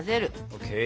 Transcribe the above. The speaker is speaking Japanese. ＯＫ。